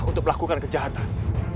untuk melakukan kejahatan